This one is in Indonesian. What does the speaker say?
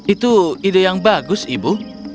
itu ide yang bagus ibu